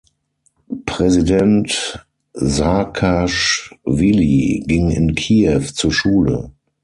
Präsident Saakaschwili ging in Kiew zur Schule.